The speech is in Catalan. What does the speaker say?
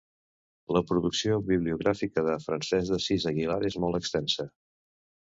La producció bibliogràfica de Francesc d'Assís Aguilar és molt extensa.